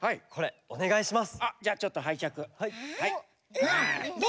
おねがいします。